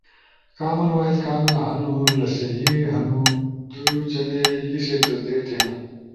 کامن وائس کامک ہنُو لہ سہی ہنُو دُو جنے لیسے تصدیق تھینا۔